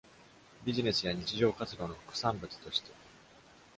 ビジネスや日常活動の副産物として。